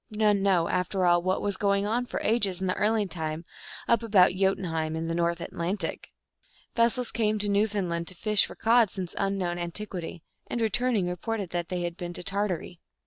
None know, after all, what was going on for ages in the early time, up about Jotun heim, in the North Atlantic I Vessels came to New foundland to fish for cod since unknown antiquity, and, returning, reported that they had been to Tar tary.